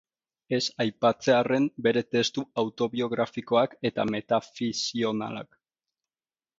Ez aipatzearren bere testu autobiografikoak eta metafikzionalak.